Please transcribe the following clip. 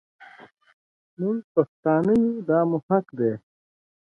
مونږ پښتانه يو دا مو حق دی.